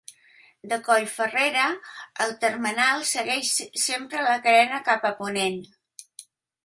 De Coll Ferrera, el termenal segueix sempre la carena cap a ponent.